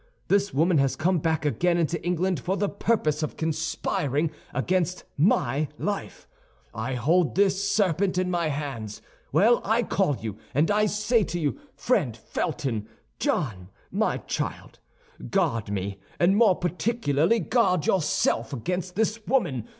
This woman has come back again into England for the purpose of conspiring against my life. I hold this serpent in my hands. Well, I call you, and say to you: Friend Felton, John, my child, guard me, and more particularly guard yourself, against this woman.